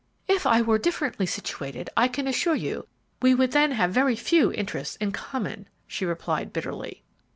"If I were differently situated, I can assure you we would then have very few interests in common," she replied, bitterly.